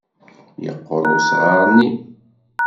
Yeqqur usɣar-nni.